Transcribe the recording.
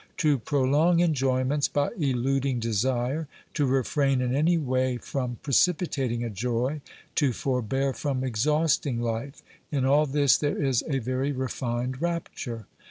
To prolong enjoyments by eluding desire, to refrain in any way from precipitating a joy, to forbear from exhausting life — in all this there is a very refined rapture.